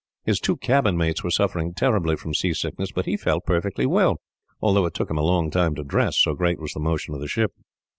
His two cabin mates were suffering terribly from seasickness, but he felt perfectly well, although it took him a long time to dress, so great was the motion of the ship.